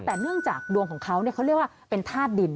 แต่เนื่องจากดวงของเขาเขาเรียกว่าเป็นธาตุดิน